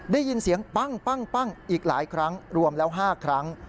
ได้ยินเสียงปั้งอีกหลายครั้งรวมแล้ว๕ครั้ง